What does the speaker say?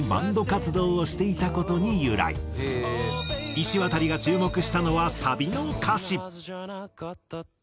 いしわたりが注目したのはサビの歌詞。